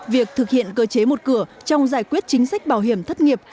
việc thực hiện cơ chế một cửa trong giải quyết chính sách bảo hiểm thất nghiệp